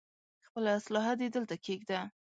خپله اسلاحه دې دلته کېږده.